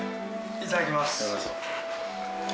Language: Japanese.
いただきます。